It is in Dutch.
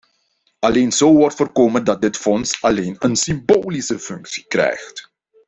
Alleen zo wordt voorkomen dat dit fonds alleen een symbolische functie krijgt.